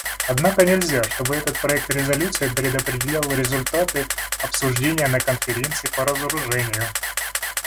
Однако нельзя, чтобы этот проект резолюции предопределял результаты обсуждений на Конференции по разоружению.